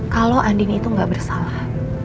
kalau andin itu gak bersalah